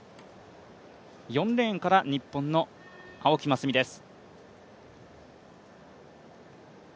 ４レーンから日本の青木益未です。